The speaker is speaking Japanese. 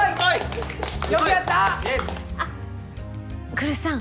来栖さん